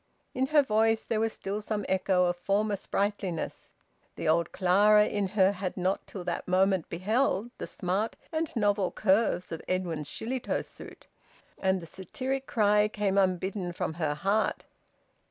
In her voice there was still some echo of former sprightliness. The old Clara in her had not till that moment beheld the smart and novel curves of Edwin's Shillitoe suit, and the satiric cry came unbidden from her heart.